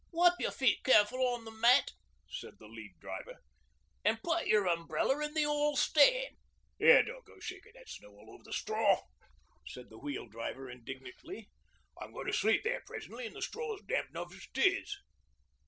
'Wipe yer feet careful on the mat,' said the Lead Driver, 'an' put yer umbrella in the 'all stand.' ''Ere, don't go shakin' that snow all over the straw,' said the Wheel Driver indignantly. 'I'm goin' to sleep there presently an' the straw's damp enough as it is.'